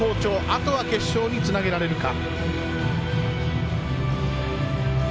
あとは決勝につなげられるか。